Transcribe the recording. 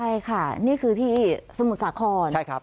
ใช่ค่ะนี่คือที่สมุทรสาคร